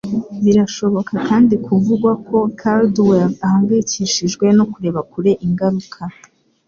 Birashobora kandi kuvugwa ko Caldwell ahangayikishijwe no kureba kure ingaruka